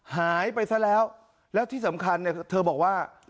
หายไปซะแล้วแล้วที่สำคัญเนี่ยเธอบอกว่า